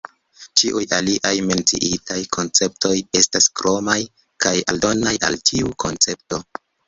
Ĉiuj aliaj menciitaj konceptoj estas kromaj kaj aldonaj al tiu koncepto.